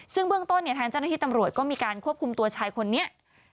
ซึ่งเบื้องต้นเนี่ยทางเจ้าหน้าที่ตำรวจก็มีการควบคุมตัวชายคนนี้